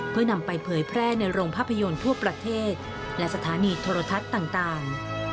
เพื่อนำไปเผยแพร่ในโรงภาพยนตร์ทั่วประเทศและสถานีโทรทัศน์ต่าง